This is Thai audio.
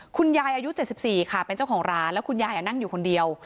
คุณยายอายุเจ็ดสิบสี่ค่ะเป็นเจ้าของร้านแล้วคุณยายอะนั่งอยู่คนเดียว